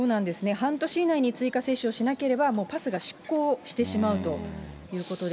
半年以内に追加接種をしなければ、パスがもう失効してしまうということで。